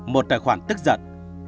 một tài khoản tức giận